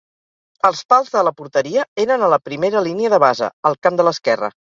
Els pals de la porteria eren a la primera línia de base, al camp de l'esquerra.